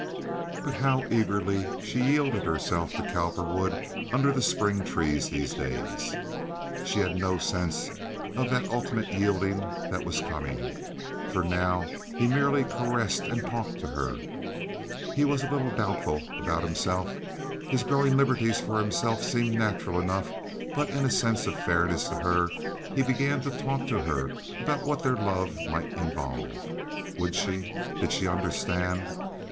But how eagerly she yielded herself to Cowperwood under the spring trees these days! She had no sense of that ultimate yielding that was coming, for now he merely caressed and talked to her. He was a little doubtful about himself. His growing liberties for himself seemed natural enough, but in a sense of fairness to her he began to talk to her about what their love might involve. Would she? Did she understand?